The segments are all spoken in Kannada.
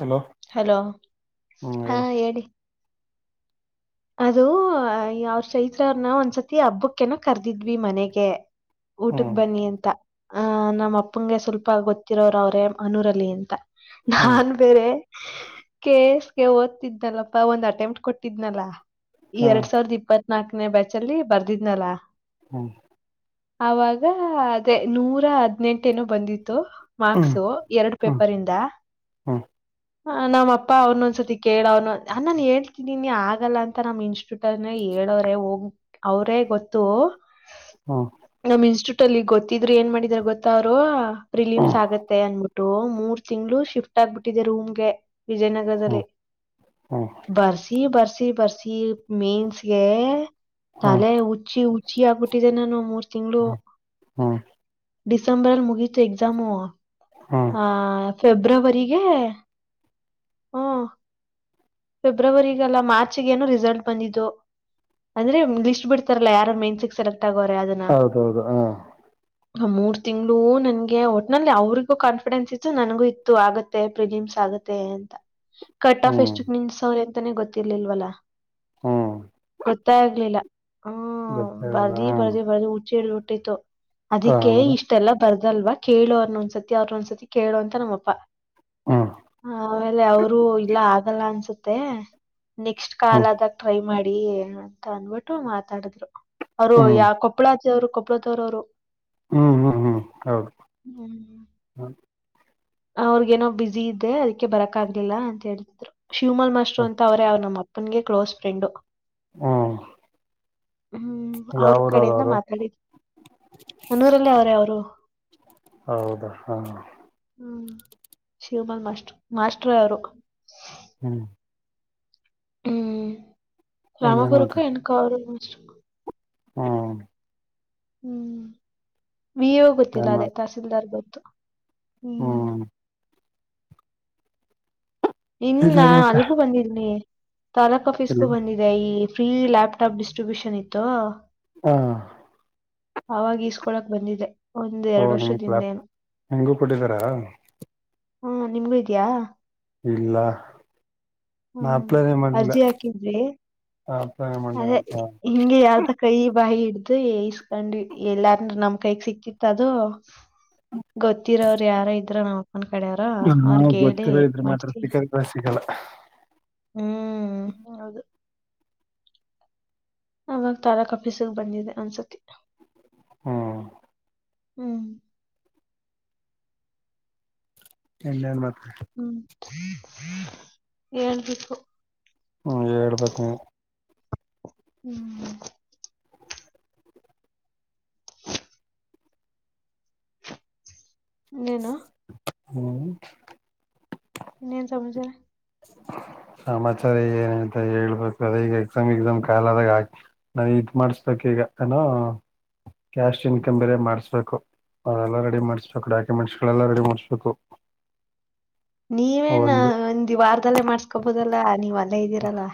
ಹಲೋ ಹಲೋ ಹ್ಮ್ ಹಾ ಹೇಳು ಹೇಳಿ ಅದು ಅವ್ರ ಚೈತ್ರವ್ರನ ಒಂದ್ಸತಿ ಹಬ್ಬಕ್ಕೇನ ಕರ್ದಿದ್ವಿ ಮನೆಗೆ ಊಟಕ್ ಹ್ಮ್ ಬನ್ನಿ ಅಂತ ಆ ನಮ್ಮ್ ಅಪ್ಪಂಗೆ ಸ್ವಲ್ಪ ಗೊತ್ತಿರೋರ ಅವ್ರೆ ಅನೂರಲ್ಲಿ ಅಂತ ಹ್ಮ್ ನಾನ್ ಬೇರೆ ಕೇಸ್ಗೆ ಓದ್ತಿದ್ನಲ್ಲಪ್ಪಾ ಒಂದ್ ಅಟೆಂಪಟ್ ಕೊಟ್ಟಿದ್ನಲ್ಲಾ ಈ ಹಾ ಎರಡ್ ಸಾವಿರದ ಇಪ್ಪತ್ ನಲ್ಕನೇ ಬ್ಯಾಚ್ ಅಲ್ಲಿ ಬರ್ದಿದ್ನಲ್ಲಾ ಹ್ಮ್ ಆಗ ಅದೇ ನೂರ ಹದ್ನೆೆಂಟನೋ ಬಂದಿತ್ತು ಹ್ಮ್ ಮಾರ್ಕ್ಸು ಎರಡು ಹ್ಮ್ ಪೇಪರ್ ಇಂದ ಹ್ಮ್ ಹ ನಮ್ಮಪ್ಪ ಅವ್ನೊಂದ್ಸತಿ ಕೇಳ ಅವ್ನು ನಾನನ್ ಹೇಳ್ತಿನಿ ನೀ ಆಗಲ್ಲ ಅಂತ ಮತ್ತ ನಮ್ ಇನ್ಸ್ಟಿಟ್ಯೂಟ್ ಅನ್ನೇ ಹೇಳೋ್ರೆ ಹೋಗ್ ಅವರೇ ಗೊತ್ತು ಹಾ ನಮ್ ಇನ್ಸ್ಟಿಟ್ಯೂಟ್ ಅಲ್ಲಿ ಗೊತ್ತಿದ್ರು ಏನ್ ಮಾಡಿದ್ರ ಗೊತ್ತ ಅವರು ರಿಲೀಸ್ ಆಗತ್ತೆ ಅನ್ಬಿಟ್ಟು ಮೂರ್ ತಿಂಗಳು ಶಿಫ್ಟ್ ಆಗ್ಬಿಟ್ಟಿದೆ ರೂಮ್ಗೆ ಹ್ಮ್ ಹ್ಮ್ ವಿಜಯನಗರದಲ್ಲಿ ಹ್ಮ್ ಬರ್ಸಿ ಬರ್ಸಿ ಬರ್ಸಿ ಮೀನ್ಸ್ಗೆ ಹ್ಮ್ ತಲೆ ಹುಚ್ಚಿ ಹುಚ್ಚಿ ಆಗ್ಬಿಟ್ಟಿದೆ ನಾನು ಮೂರ್ ತಿಂಗಳು ಹ್ಮ್ ಡಿಸೆಂಬರ ಮುಗಿತ ಎಕ್ಸಾಮು. ಹ್ಮ್ ಹಾ ಫೆಬ್ರವರಿಗೆ ಹ್ಮ ಫೆಬ್ರವರಿಗಲ್ಲ ಮಾರ್ಚ ಏನು ರಿಜೆ ರಿಸಲ್ಟ್ ಬಂದಿದ್ದು ಅಂದ್ರೆ ಲಿಸ್ಟ್ ಬಿಡ್ತಾರಲ್ಲ ಯಾರ ಮನ್ಸ್ ಸೆಲೆಕ್ಟ್ ಆಗೋರೆ ಅದ ಹೌದೌ ಹೌದ ಹಾ ಆ ಮೂರ್ ತಿಂಗಗಳುೂ ನನ್ಗೆ ಒಟ್ನಲ್ಲಿ ಅವರಿಿಗೂ ಕಾನ್ಫಿಡೆನ್ಸ್ ಇತ್ತು ನನಗೂ ಇತ್ತು ಆಗತ್ತ ಪ್ರಿಜಿಮ್ಸ್ ಆಗತ್ತೆ ಅಂತ ಕಟ್ ಆಫ್ ಹ್ಮ್ ಎಷ್ಟಕ್ ನಿಲ್ಲ್ಸ್ವ್ರೆ ಅಂತಾನೆ ಗೊತ್ತಿರ್ಲಿಲ್ವಲ್ಲ. ಹ್ಮ್ ಗೊತ್ತಾಗಲಿಲ್ಲ ಹ್ಮ್ ಗೊತ್ತಾಗಲ್ಲ ಬರ್ದಿ ಹ ಬರ್ದಿ ಬರ್ದಿ ಹುಚ್ಚ್ ಹಿಡದಬಿಟ್ಟಿತ್ತ್. ಅದಿಕ್ಕೆ ಆಮೇಲೆ ಇಷ್ಟೆಲ್ಲ ಬರ್ದಲ್ವ ಕೇಳು ಅವರ್ನ ಒಂದ್ಸತಿ ಅವ್ರ ಒಂದ್ಸತಿ ಕೇಳು ಅಂತ ನಮ್ಮಪ್ಪಾ. ಹ್ಮ್ ಆಮೇಲೆ ಅವರು ಇಲ್ಲ ಆಗಲ್ಲ ಅನ್ಸುತ್ತೆ ನೆಕ್ಸ್ಟ್. ಕಾಲ ಹ್ಮ್ ಆದಾಗ ಟ್ರೈ ಮಾಡಿ ಅಂತ ಅನ್ಬಿಟ್ಟು ಮಾತಾಡಿದ್ರು ಅವರು ಹ್ಮ್ ಯಾವ ಕೊಪ್ಪಳದ ಅವ್ರು ಕೊಬ್ಬಳದವ್ರು ಅವರು. ಹ್ಮ್ ಹ್ಮ್ ಹ್ಮ್ ಹೌದು. ಹ್ಮ್ ಹ್ಮ್ ಅವ್ರಗೇಏನೋ ಬಿಸಿಿ ಇದ್ದೆ ಅದಕ್ಕೆ ಬರಕ್ ಆಗ್ಲಿಲ್ಲ ಅಂತ ಹೇಳೇಳ್ತಿದ್ರು ಶಿವಮಾಲ್ ಮಾಸ್ಟ್ರು ಅಂತ ಅವ್ರೇ ಅವ್ರೆ ನಮ್ಮ ಅಪ್ಪ ನನಗೆ ಕ್ಲೋಸ್ ಫ್ರೆಂಡು. ಹ್ಮ ಹ್ಮ್ ಅವ್ರ ಕಡೆಯಿಂದ ಮಾತಾಡಿದ [unintelligible] ನನೂರಲ್ಲೇ ಅವ್ರೇ ಅವರು. ಹೌದಾ ಹಾ ಹ್ಮ್ ಶಿವಮಾಲ್ ಮಾಸ್ಟರ್ ಮಾಸ್ಟರ್ ಅವರು. ಹ್ಮ್ ಏನ್ ಗ್ರಾಮಪುರಕ್ಕೆ [unintelligible] ಹ್ಮ ಹ್ಮ್ ವಿ ಯೋ ಗೊತ್ತಿಲ್ಲ ಏನ್ ಅದೇ ತಹಸೀಲ್ದಾರ್ ಗೊತ್ತು [unintelligible] ಹ್ಮ್ ಇನ್ನಾ ಇಲ್ಲಿ ಮತ್ತೆ ಅಲ್ಗೂ ಬಂದಿದ್ನಿ ತಾಲೂಕ್ ಆಫೀಸ್ಗೂ ಬಂದಿದ್ನಿ ಅಯ್ಯ ಫ್ರೀ ಲ್ಯಾಪ್ಟಾಪ್ ಡಿಸ್ಟ್ರಿಬ್ಯೂಷನ್ ಇತ್ತು ಅದೇ. ಹು ಅವಾಗ ಈಸ್ಕೊಳಕ್ ಬಂದಿದೆ. ಒಂದ ಓ ಎರಡು ನಿಮ್ ಕ್ಲಾಪ್ ವರ್ಷದಿಂದೇಏನು [unintelligible] ನಿಂಗೂ ಕೊಟ್ಟಿದಾರಾ ಹು ನಿಮ್ಗೂ ಇದಿಯಾ? ಇಲ್ಲಾ ನಾ ಹ್ಮ್ ಅಪ್ಲೈ ಮಾಡಿಲ್ಲ ಅರ್ಜಿ ಹಾಕಿದ್ವಿ [inaudible] ಅಪ್ಲೈ ಮಾಡ ಅದೇ ಹಿಂಗೆ ಯಾರದ್ ಕೈ ಬಾಯಿ ಹಿಡ್ದು ಇಸ್ಕೊಂಡ್ವಿ ಇಲ್ಲಾ ಅಂದ್ರ್ ನಮ್ ಕೈಗೆ ಸಿಕ್ತಿತ್ತ ಅದು. [inaudible] ಗೊತ್ತಿರೋರ ಯಾರೋ ಇದ್ರ ನಾ ನಮ್ಮ ಕಡೆವರ ಅವ್ರಗ ನಾವ್ ಹೇಳಿ ಗೊತ್ತಿರೋ ಇದ್ರ ಮಾತ್ರ ಮಾಡ್ಸಿ ಸಿಕ್ಕದ್ರೆ ಸಿಗಲ್ಲ. ಹ್ಮ್ ಹೌದು. ಅವಾಗ ತಾಲೂಕ ಆಫೀಸಿಗೆ ಬಂದಿದೆ ಒಂದ್ಸತಿ. ಹ್ಮ್ ಹ್ಮ್ ಎಲ್ಲನ್ ಮಾತ್ ಹ್ಮ್ [inaudible] ಹೇಳ್ಬೇಕು. ಹು ಹೇಳ್ಬೇಕ ನೀವು ಹ್ಮ್ ಏನು ಹ್ಮ್ ಇನ್ನನು ಸಂಬಂಚಾರ [inaudible] ಸಮಾಚಾರ ಏನಂತ ಹೇಳ್ಬೇಕು ಅದ ಈಗ ಎಕ್ಸಾಮ್ ಎಕ್ಸಾಮ್ ಕಾಲದಾಗ ಹಾಕಿ ನಾ ಇ ಮಾಡಸ್ಬೇಕಕ್ ಈಗ ಏನೋ ಕ್ಯಾಶ್ ಇನ್ಕಮ್ ಬೇರೆ ಮಾಡ್ಸ್ಬೇಕು ಅದೆಲ್ಲ ರೆಡಿ ಮಾಡ್ಸ್್ಬೇಕು ಡಾಕ್ಯುಮೆಂಟ್ಸ್ ಗಳೆಲ್ಲ ರೆಡಿ ಮಾಡ್ಸ್ಬೇಕು ನೀವೇನ ಒಂದ್ ಒಂದ ವಾರದಲ್ಲೇ ಮಾಡ್ಸ್ಕೊಬೋದಲ್ಲಾ ನೀವ್ ಅಲ್ಲೇ ಇದ್ದೀರಲ್ಲ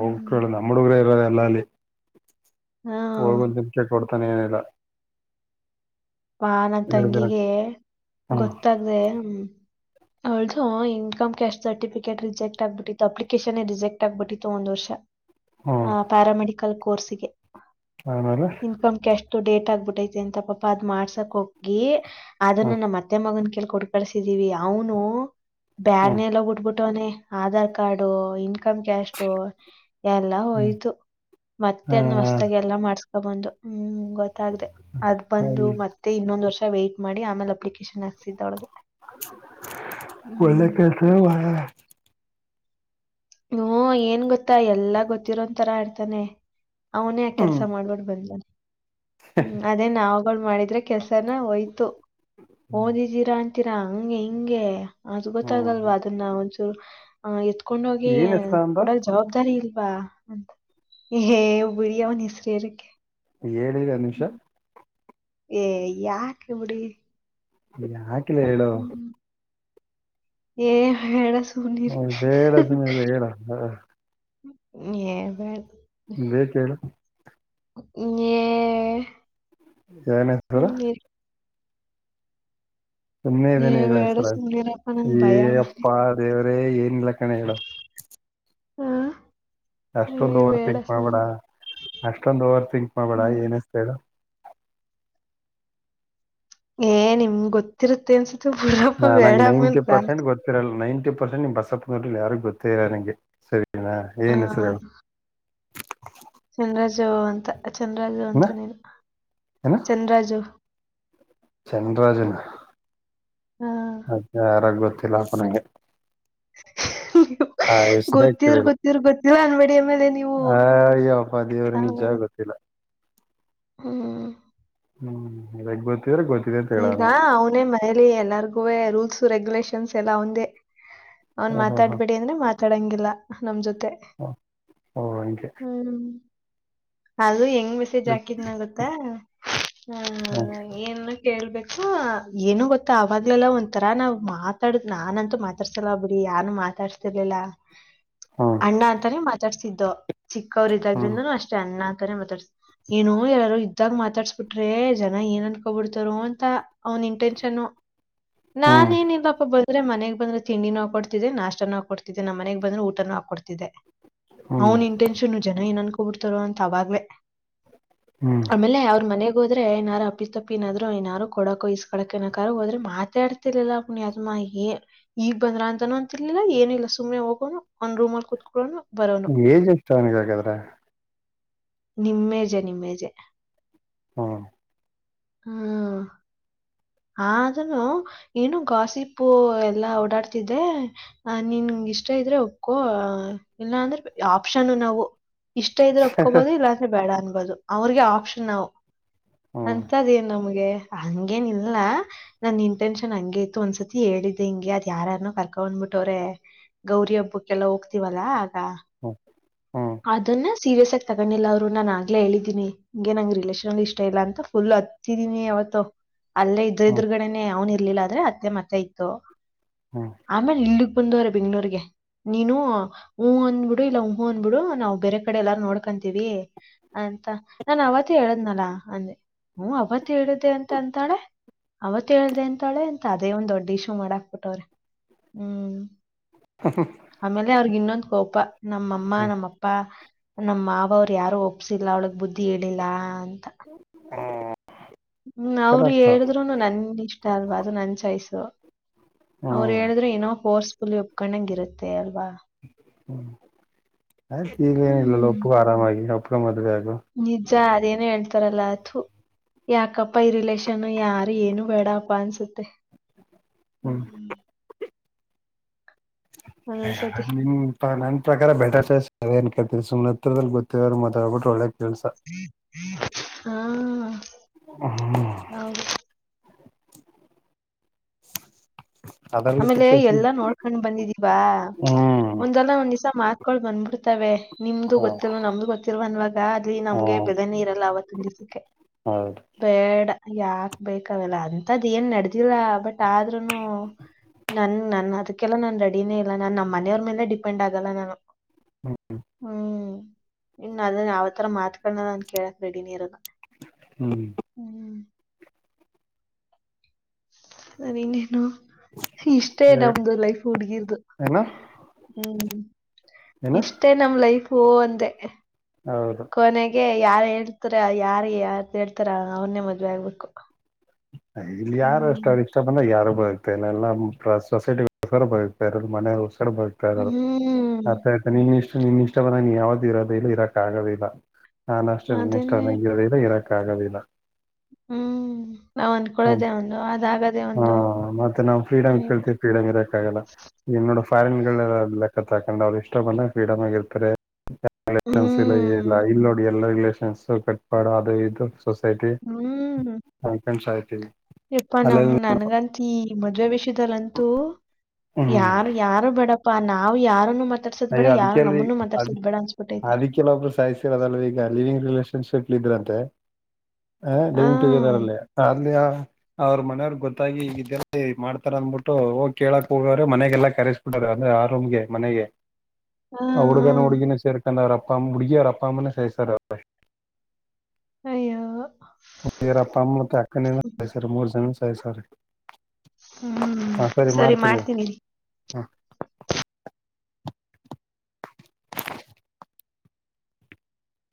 ಹ್ಮ್ ಹುಡುಗರು ಇರೋದು ಎಲ್ಲ ಅಲ್ಲಿ ಹಾ ಹಗನ್ ಚಿನಿಕೆ ಕೊಡ್ತಾನೆ ಏನಿಲ್ಲ ಆಾ ನನ್ ಎರಡ್ ದಿನ ತಂಗಿಗೆ ಹ್ಮ್ ಗೊತ್ತಾದ್ದದೆ ಹ ಅವಳ್ದು ಇನ್ಕಮ್ ಕ್ಯಾಸ್ ಸರ್ಟಫಿಕೇಟ್ ರಿಜೆಕ್ಟ್ ಆಗ್ಬಿಟ್ಟಿತ್ತು ಅಪ್ಲಿಕೇಶನ್ೇ ರಿಜೆಕ್ಟ್ ಆಗ್ಬಿಟ್ಟಿತ್ತು ಒಂದ್ ವರ್ಷ ಹ್ಮ್ ಆ ಪ್ಯಾರಾಮೆಡಿಕಲ್ ಕೋರ್ಸ್ ಗೆ ಹನಲ್ಲ ಇನ್ಕ್ ಎಷ್ಟು ಡೇಟ್ ಆಗ್ಬಿಟ್ಟೈತಿ ಅಂತ ಪಾಪ ಅದ್ ಮಾಡ್ಸಕ್ ಹೋಗಿ ಅದನ್ನು ಹ್ಮ್ ನಮ್ಮತ್ತ ಮೇ ಮಗನ್ ಕೇಳ ಕುಡ್ಕಸಿದೀವಿ ಅವನು ಹ್ಮ್ ಬ್ಯಾಡ್ನೆ ಎಲ್ಲ ಉಟ್ಬಿಟ್ಟವನೆ ಆಧಾರ್ ಕಾರ್ಡು ಇನ್ಕಮ್ ಕ್ಯಾಸ್ು ಎಲ್ಲ ಹ್ಮ್ ಹೋಯ್ತು ಮತ್ತೆ ಅನ್ನ ಹೊಸತಾಗ ಎಲ್ಲ ಮಾಡ್ಸ್ಕೊ ಬಂದು ಹ್ಮ್ ಗೊತ್ತ ಗತ್ತ್ರೆ ಅದ್ ಬಂದು ಹ್ಮ್ ಮತ್ತೆ ಇನ್ನೊಂದ್ ವರ್ಷ ವೈ್ಟಟ್ ಮಾಡಿ ಆಮೇಲೆ ಅಪ್ಲಿಕೇಶನ್ ಹಾಕ್ಸಿದ್ದ ಒಳಗೆ ಒಳ್ಳ ಕೆಸ ಹ್ಮ ಏನ್ ಗೊತ್ತಾ ಎಲ್ಲಾ ಗೊತ್ತಿರೋಂತರಾ ಇಡ್ತಾನೆ ಅವನೇ ಆ ಕೆಲ್ಸ ಹ್ಮ್ ಮಾಡ್ಬಿಟ್ಟು ಬಂದಾನ ಹ್ಮ ಅದೇ ನಾವವುಗಳು ಮಾಡಿದ್ರೆ ಕೆಲ್ಸನ ಹಯ್ತು ಓದಿದ್ದೀರಾ ಅ ೀರಾ ಹಂಗೆ ಹಿಂಗೆ ಅದು ಗೊತ್ತಾಗಲ್ವಾ ಹ್ಮ್ ಅದನ್ನ ಒಂಚೂ ಎತ್ಕೊಂಡ್ೋಗ ಹಾಗ ಏನ್ ಹೆಸರ ಅಂದ ಕೊಡಕ್ ಜವಾಬ್ದಾರಿ ಇಲ್ವಾ ಅಂತ ಹೇಬರಿ ಅವನ ಹೆಸತ್ರಕ್ಕೆ ಏಳನ ನಿಮಿಷ ಏ ಯಾಕೆ ಬಿಡಿ ಇಲ್ಲ ಹ್ಮ್ ಹ್ಮ ಹೇಳ ಹ ಬೇಡದನ ಅ ಹೇಳ ಹ ಹ ಸ ಬೇಕ ಹೇಳು [inaudible] ಜನ್ರ ಸುಮ್ನಿರಿ ಸುಮ್ಮನೆ ಏ ಇದಾನೆ ಹೇಳಕ್ ಬೇಡ ಸರ್ ಅ ಸುಮ್ನಿರಪ್ಪ ನಂಗ್ ಭಯ ಮಾ- ಅಪ್ಪ ದೇವರೇ ಏನ್ಲ್ಲ ಕಣ ಹೇಳು ಹಾ ಅಷ್ಟೊಂದ್ ಓವರ್ ತಿಥಿಂಕ್ ಮಾಡ್ಬೇಡ ಅಷ್ಟೊಂದು್ ಓವರ್ ತಿಥಂಕ್ ಮಾಡ್ಬೇಡ ಹ್ಮ್ ಏನ್ತ ಏ ನಿಮ್ ಗೊತ್ತಿರುತ್ತೆ ಅನ್ಸುತ್ತ ಬುಡಪ್ಪ ಬೇಡಮ್ಮ ಸರಲ್ಲಿ ನೈಂಟಿ ಪರ್ಸೆಂಟ್ ನಿಮ್ ಬಸಪ್ಪಲ್ಲಿ ಯಾರಿಗು ಗೊತ್ತ ಇರಲ್ಲ ನಂಗೆ ಸರಿನಾ ಹಾ ಏನು ಸರ ಚಂದ್ರಾಜು ಅಂತ ಚಂದ್ರಾಜು ಅಂತ ಏನ ನೀನು ಚಂದ್ರಾಜು ಚಂದ್ರಾಜನ ಹಾ ಅ ಯಾರಾಗ ಗೊತ್ತಿಲ್ಲಪ್ಪಗೆ ಹ ಆ ಹೆಸರೇ ಗೊತ್ತಿರ ಕೇಳಿಲ್ಲ ಗೊತ್ತಿರ್ ಗೊತ್ತಿರ ಅಂದಬಡಿಯ ಮೇಲೆ ನೀವು ಅಯ್ಯಪ್ಪ ದೇವ್ರ ಆೇ ನಿಜ ಗೊತ್ತಿಲ್ಲ ಹ್ಮ ಹ್ಮ್್ಬೋದು ತವ ಗೊತ ಈಗ ಅವ್ನೇ ಮತ್ ಮನೇಲಿ ಎಲ್ಲಾರ್ಗೂವೇ ರೂಲ್ಸೂ ರೆಗ್ಯುಲೇಷನ್ಸ್ ಎಲ್ಲ ಅವಂದೇ ಅವ್ನ್ ಹಾ ಹಾ ಹಾ ಮಾತಾಡ್ಬೇಡಿ ಅಂದ್ರೆ ಮಾ ತಾಡಂಗಿಲ್ಲ ನಮ್ ಜೊತೆ. ಓ ಓ ಹಂಗೆ. ಹ್ಮ್. ಅದು ಹೆಂಗ್ ಮೆಸೇಜ್ ಹಾಕಿದ್ನ ಗೊತ್ತಾ ಹಾ ಹ್ಮ್ ಏನು ಕೇಳ್ಬೇಕು ಏನು ಗೊತ್ತ ಅವಾಗ್ಲೆಲ್ಲ ಒಂಥರ ನಾವ್ ಮಾತಾಡುದು ನಾನಂತೂ ಮಾ ರ್ಸಲ ಬರೀ ಯಾರ್ನು ಮಾತಾಡ್ಸತಿರ್ಲಿಲ್ಲಾ. [inaudible] ಅಣ್ಣ ಅಂತಾನೆ ಮಾತಾಡ್ಸಿದ್ದೋ ಚಿಕ್ಕವರು ಹ್ಮ್ ಇದ್ದಾದ್ರಿಂದನು ಅಷ್ಟೇ ಅಣ್ಣ ಅಂತಾನೆ ಮಾತಾಡ್ಸ್ ಏನು ಯಾರಾರೂ ಇದ್ದಾಗ ಮಾತಾಡ್ಸ್ಬಿಟ್ರೆ ಜನ ಏನ್ ಅನ್ಕೋಬಿಡ್ತಾರೋ ಅಂತ ಅವ್ನ್ ಇನ್ಟೆನ್ಷನ್ನು. [inaudible] ಹ್ಮ್ ನಾನೇನ್ ಇಲ್ಲಪ್ಪ ಬ ದ್ರೆ ಮನೆಗ್ ಬಂದ್ರೆ ತಿಂಡಿನೂ ಹಾಕೊಡ್ತಿದ್ದೆ ನಾಷ್ಟಾನೂ ಹಾಕೊಡ್ತಿದೆ ನಮ್ಮ ಮನೆಗ್ ಬಂದ್ರೆ ಊಟನೂ ಹಾಕ್ಕೊಡ್ತಿದ್ದೆ. ಹ್ಮ್ ಅವ್ನ್ ಇನ್ಟೆನ್ಷನ್ನು ಜನ ಏನ ಅನ್ಕೊಬಿಡ್ತಾರೋ ಅಂತ ಅವಾಗ್ವೆ. ಹ್ಮ್ ಆಮೇಲೆ ಅವ್ರ ಮನೆಗ್ ಹೋದ್ರೆ ಏನಾರ ಅಪ್ಪಿ ತಪ್ಪಿ ಏನಾದ್ರು ಏನಾರು ಕೊಡಕ ಇಸ್ಕಳಕ್ ಏನಕ್ಕಾರು ಹೋದ್ರೆ ಮಾತೇ ಆಡ್ ತಿರ್ಲಿಲ್ಲ ಪುಣ್ಯಾತ್ಮ ಏ ಈಗ್ ಬಂದ್ರ ಅಂತಾನೂ ಅಂತಿರ್ಲಿಲ್ಲ ಏನಿಲ್ಲ ಸುಮ್ನೆ ಹೋಗೋನು ಅವ್ನ ರೂಮಲ್ಲಿ ಕುತ್ಕೊಳ್ಳೋನು. ಬರೋನು ಏಜ್ ಎಷ್ಟ ಅವ್ನಿಗೆ ಹಾಗಾದ್ರೆ. ನಿಮ್ಮೇಜೆ ನಿಮ್ಮೇಜೆ. ಹಾ. ಹಾ. ಆದ್ರೂನು ಏನೋ ಗಾಸಿಪ್ಪು ಎಲ್ಲಾ ಓಡಾಡ್ತಿದೆ ಅ ನಿನ್ಗ ಇಷ್ಟ ಇದ್ರೆ ಒಪ್ಗೋ ಇಲ್ಲ ಅಂದ್ರೆ ಆಪ್ಷನ್ನು ನಾವು. ಇಷ್ಟ ಇದ್ರೆ ಒಪ್ಕೋಬಹದು ಇಲ್ಲಾಂದ್ರೆ ಬೇಡ ಅನ್ಬಹದು ಅವ್ರಿಗೆ ಆಪ್ಷನ್ ನಾವು. ಹ್ಮ್ ಅಂತದೇನ್ ನಮ್ಗೆ ಹಂಗೇನಿಲ್ಲ. ಇಲ್ಲಾ ನನ್ ಇನ್ಟೆನ್ಷನ್ ಹಂಗೆ ಇತ್ತು ಒಂದ್ಸತಿ ಹೇಳಿದ್ದೆ ಹಂಗೆ ಅದ್ ಯಾರಾರ್ನೋ ಕರ್ಕಂಬಂದ್ಬಿಟ್ಟವ್ರೆ. ಗೌರಿ ಹಬ್ಬಕ್ಕೆಲ್ಲ ಹೋಗ್ತಿವಲ್ಲಾ ಆಗ. ಹ್ಮ ಅದನ್ನ ಸೀರಿಯಸ್ ಆಗ ತಗೊಂಡಿಲ್ಲ ಅವ್ರು ನಾನ್ ಆಗ್ಲೇ ಹೇಳಿದ್ದೀನಿ ಹಿಂಗೆ ನಂಗ ರಿಲೇಷನ್ಲ್ ಇಷ್ಟ ಇಲ್ಲಾ ಅಂತ ಫುಲ್ ಅ ತ್ತಿದೀನಿ ಅವತ್ತು ಅಲ್ಲೇ ಇದ್ರ ಹ್ಮ್ ಇದ್ರುಗಡೆನೆ ಅವ್ನು ಇರ್ಲಿಲ್ಲ ಆದ್ರೆ ಅತ್ತೆ ಮತ್ತೆ ಇತ್ತು. ಹಾ. ಆಮೇಲ್ ಇಲ್ಲಿಗ್ ಬಂದವ್ರೆ ಬೆಂಗ್ಳೂರಿಗೆ ನೀನು ಹೂಂ ಅಂದ್ಬಿಡು ಇಲ್ಲ ಉಹೂಂ ಅಂ ದ್ಬಿಡು ನಾವ ಬೇರೆ ಕಡೆ ಎಲ್ಲಾರು ನೋಡ್ಕೊಂತೀವಿ. ಅಂತ ನಾನ್ ಅವತ್ತೆ ಹೇಳದ್ನಲಾ ಅಂದೆ ಹೂಂ ಅವತ್ತೆ ಹೇಳಿದ್ದೆ ಅಂತ ಅಂತಾಳೆ. ಅವತ್ತೆ ಹೇಳ್ದೆ ಅಂತಾಳೆ ಅಂತ ಅದೇ ಒಂದ ದೊಡ್ಡ ಇಶೂ ಮಾಡಾಕ್ ಬುಟ್ಟವ್ರೆ. ಹ್ಮ್ ಆಮೇಲೆ ಅವ್ರಗ್ ಇನ್ನೊಂದು ಕೋಪ ನಮ್ಮಮ್ ಮ್ಮ ಹ್ಮ್ ನಮ್ಮಪ್ಪ ನಮ್ಮ ಮಾವ ಅವ್ರು ಯಾರು ಒಪ್ಸಿಲ್ಲ ಅವಳಗ್ ಬುದ್ಧಿ ಹೇಳಿಲ್ಲ ಅಂತ. ಹ್ಮ್ ಅವರು ಕರೆಕ್ಟ್ ಹೇಳಿದ್ರುನು ನನ್ ಇಷ್ಟ ಅಲ್ವಾ ಅದು ನನ್ ಚಾಯ್ಸು. ಅವ್ರು ಹ್ಮ್ ಹೇಳಿದ್ರೆ ಏನೋ ಫೋರ್ಸ್ಫುಲ್ಲಿ ಒಪ್ಕೊಂಡಂಗ ಇರುತ್ತೆ ಅಲ್ವಾ. ಅ ಈಗ ಏನಿಲ್ಲ [unintelligible] ಆರಾಮಾಗಿ ಒಪ್ಪ್ಗೊ ಮದ್ವೆ ಆಗು. ನಿಜಾ ಅದೇನೇ ಹೇಳ್ತಾರಲ್ಲಾ ಥೂ. ಯಾಕಪ್ಪ ಈ ರಿಲೇಷನ್ ಯಾರು ಏನು ಬೇಡಪ್ಪ ಅನ್ಸುತ್ತೆ. ಹ್ಮ್ ಹ್ಮ್ ಹ ಹ ಒಂದೊಂದ್ಸತಿ ನನ್ ಪ್ರಕಾರ ಬ ಬೆಟರ್ೇಸ್ ಏನ್ ಕೇತೀರಿ ಸು್ ಹತ್ತತ್ರದಲ್ಲಿ ಗೊತ್ತಿದ್ರು ಮತ್ತ್ ಹ್ಬಿಟ್ಟ್ರ ಒಳ್ಳೆ ಕೆಲ್ಸ ಹ್ಮ ಹ್ಮ ಹಾ ಹ ಹ ಹೌದು [inaudible] ಆಮೇಲೆ ಚಿಕ್ಕ ವಯಸ್ಸಿನ ಎಲ್ಲಾ ನೋಡ್ಕೊಂಡ್ ಬಂದಿದೀವಾ ಹ್ಮ್ ಒಂದಲ್ಲ ಒಂದ್ ದಿವ್ಸ ಮಾತ್ ಕಳ ಬಂದಬಿಡ್ತವೆೆ ನಿಮ್ದು ಹ್ಮ್ ಗೊತ್ತಿಲ್ ನಮ್ದು ಗೊತ್ತಿಲ್ವ ಅನ್ವಾಗ ಅಲ್ಲಿ ನಮ್ಗೆ ಹ್ಮ್ ಬೆದ ನೀರಲ್ಲ ಆ ಅವತ್ತಿನ ದಿಸಕ್ಕೆ ಹೌದು ಬೇಡ ಯಾಕ್ ಬೇಕಾವೆಲ್ಲ ಅಂತದ್ ಏನ್ ನಡೆದಿಲ್ಲ ಬಟ್ ಆದ್ರೂನು [inaudible] ನನ್ ನನ್ ಅದಕ್ಕೆಲ್ಲಾ ನಾನ್ ರೆಡಿನೇ ಇಲ್ಲ ನಾನ್ ನಮ್ಮ ಮನೆಯವ್ರ ಮೇಲೆ ಡಿಪೆಂಡ್ ಆಗಲ್ಲ ನಾನು ಹ್ಮ್ ಇನ್ ಅದನ್ನ ಯಾವತರ ಮಾತುಗಳನ್ನ ನಾನನ್ ಕೇಳಕ್ ರೆಡಿನಿ ಇರೋದ ಹ್ಮ ಹ್ಮ್ ಇನ್ನೇನು ಇಷ್ಟೇ ನಮ್ದು ಲೈಫ್ ಹುಡ್ಗಿರ್ದು ಏನ ಹ್ಮ್ ಏನ ಇಷ್ಟೇ ನಮ್ಮ ಲೈಫ್ ಹಂತೆ ಹೌದು ಕೊನೆ ಹಾಗೆ ಯಾರ ಹೇಳ್ತಾರ ಯಾರ ಯಾರ್ದ ಹೇಳ್ತಾರ ಅವನ್ನೇ ಮದ್ವೆ ಆಗ್ಬೇಕು ಇಲ್ಲಿ ಯಾರಷ್ಟು ಹ್ಮ್ ಇ ಇಷ್ಟ ಬಂದ್ರೆ ಯಾರು ಬತ ಇಲ್ಲ ಸೊಸೈಟಿರ ಬತ ಮನಸರ ಬರು ಅ ಹ್ಮ್ ಆತ ನಿನ್ ಇಷ್ಟ ನಿನ್ ಇಷ್ಟ ಬಂದ ನೀ ಯಾವ್ದು ಇರೋದ ಇಲ್ಲ ಇರಕ್ ಆಗೋ ಇಿಲ್ಲ ನಾನ್ ಅಷ್ಟೇನ್ನ ಇಷ್ಟು ಅದನ್ನೇ ಅನ್ನಂಗ ಇರೋದಿಲ್ಲ ಇರಕ್ ಆಗೋದಿಲ್ಲ ಹ್ಮ್ ನಾವ ಅಂದ್ ಹ್ಮ್ ಕೊಡೋದೆೇ ಒಂದು ಅದ್ಾಗದೆೇ ಹಾ ಒಂದು ಮತ್ತೆ ನಾವು ಫ್ರೀಡಮ್ ಕೇಳ್ತೀವಿ ಫ್ರೀಡಮ್ ಇರಕ್ಕಾಗಲ್ಲ ಈ ನೋಡ ಫಾರಿನ್ ಗಳಲ್ಲ ಲೆಕ್ಕ ಹಾಕೊಂಡ್ ಅವ್ರು ಇಷ್ಟೊ ಬಂದಾಗ ಫ್ರೀಡಮ್ ಆಗಿರ್ತಾರೆ ಲಷನ್ಸ್ ಇಲ್ಲ ಇಲ್ಲ ಇಲ್ಲೋಡಿ ಎಲ್ಲಾ ರಿಲೇಷನ್ಸ ಕಟ್ ಬಡ ಅದು ಇದು ಸೊಸೈಟಿ ಕಾಂಫೆಂಡಟ್ಸ್ ಆಯ್ತೀವಿ ಇಪ್ಪಾ ನಮ್ ನನ್ಗಂತ ಈ ಮದ್ೆ ವಿಷಯದಲ್ಲಂತೂ ಹ್ಮ್ ಯಾರ ಯಾರು ಬೇಡಪ್ಪಾ ನಾವು ಯಾರುನ್ನು ಮಾತಾಡ್ಸೋ್ ಅಯ್ಯ ಬೇಡ ಯಾರು ನಮ್ಮನ್ನು ಮಾತಾಡಸೋ್ ಬೇಡ ಅನ್ಸ್ಬಿಟ್ಟೈತೆ ಕೆಲೊಬ್ರು ಸಾಯಿಸಿರೋದಲ್ವ ಈಗ ಲಿವಿಂಗ್ ರಿಲೇಷನ್ಶಿಪ್ ಇದ್ರಂತೆ ಹ ಹಾ ಲಿವಿಂಗ್ ಟುಗೆದರ್ ಅಲ್ಲಿ ಅಲಿಯ ಅವ್ರ ಮನೆಯವ್ರಿಗೆ ಗೊತ್ತಾಗಿ ಈಗ ಇದಲ್ಲಿ ಮಾಡ್ತಾರ ಅಂದ್ಬಿಟ್ಟು ಹೋಗಿ ಕೇಳಕ್ ಹೋಗೋ್ರೆ ಮನೆಗೆಲ್ಲ ಕರೆ ಅ್ರೆ ಆರೂಮ್ಗೆ ಮನೆಗೆ ಹಾ ಆ ಹಾ ಹುಡುಗನ ಹುಡುಗಿನ ಸೇರ್ಕೊಂಡ ಅವ ಅಪ್ಪಮ್ಮ ಹುಡುಗ ಅವ ಅಪ್ಪ ಅಮ್ಮನನೆ ಸೈಸರ್ ಅಯ್ಯೋ ಅಪ್ಪ ಅಮ್ಮತ್ತ ಅಕ್ಕನಿಂದ ಮೂರು ಸರಿ ಸರಿ ಹ್ಮ್ ಹಾ ಸರಿ ಮಾಡ್ತೀನ ಮಾಡ್ತೀನಿ ಇರು. [inaudible]